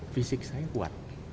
fisik saya kuat